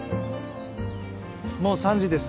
もう３時です。